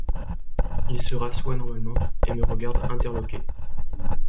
Il se rassoit normalement et me regarde interloqué.